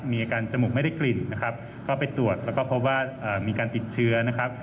มีอาการจมูกไม่ได้กลิ่นนะครับก็ไปตรวจแล้วก็พบว่ามีการติดเชื้อนะครับ